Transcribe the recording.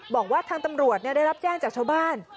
บอกว่าทางตำรวจได้รับแจ้งจากชาวบ้าน